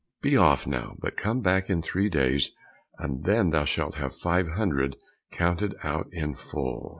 Be off now, but come back in three days, and then thou shalt have five hundred counted out in full."